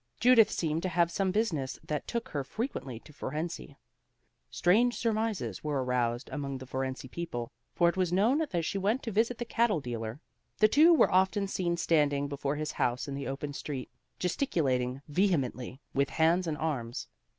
Judith seemed to have some business that took her frequently to Fohrensee. Strange surmises were aroused, among the Fohrensee people; for it was known that she went to visit the cattle dealer. The two were often seen standing before his house in the open street, gesticulating vehemently with hands and arms.